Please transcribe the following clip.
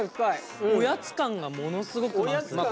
おやつ感がものすごく感じる。